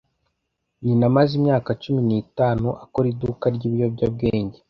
Nyina amaze imyaka cumi n'itanu akora iduka ryibiyobyabwenge